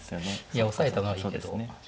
いやオサえたのはいいですね。